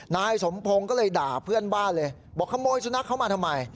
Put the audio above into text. นายสมพงศ์ก็เลยด่าเพื่อนบ้านเลยบอกขโมยสุนัขเข้ามาทำไม